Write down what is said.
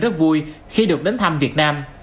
rất vui khi được đến thăm việt nam